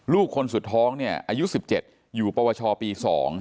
ลูกคนสุดท้องเนี่ยอายุ๑๗อยู่ปวชปี๒